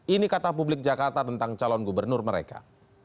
ini kata publik jakarta tentang calon gubernur mereka